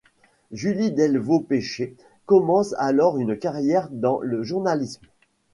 Julie Delvaux-Pecher commence alors une carrière dans le journalisme.